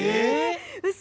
うそ！